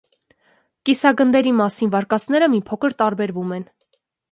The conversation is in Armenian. Կիսագնդերի մասին վարկածները մի փոքր տարբերվում են։